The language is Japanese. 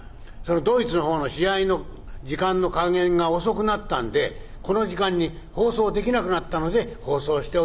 「ドイツの方の試合の時間の加減が遅くなったんでこの時間に放送できなくなったので放送しておりません。